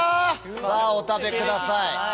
お食べください。